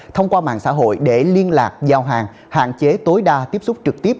thông qua mạng xã hội để liên lạc giao hàng hạn chế tối đa tiếp xúc trực tiếp